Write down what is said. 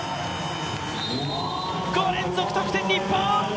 ５連続得点、日本。